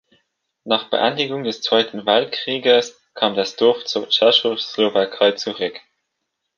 Nach Beendigung des Zweiten Weltkrieges kam das Dorf zur Tschechoslowakei zurück.